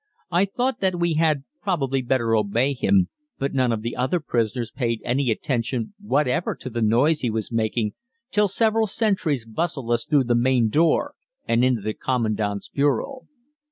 I thought that we had probably better obey him, but none of the other prisoners paid any attention whatever to the noise he was making till several sentries bustled us through the main door and into the Commandant's bureau.